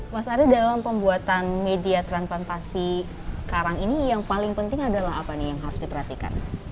mas ari dalam pembuatan media transplantasi karang ini yang paling penting adalah apa nih yang harus diperhatikan